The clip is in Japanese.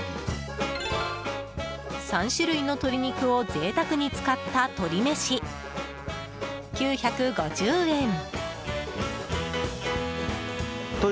３種類の鶏肉を贅沢に使った鳥めし、９５０円。